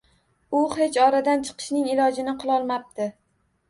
U hech o‘radan chiqishning ilojini qilolmabdi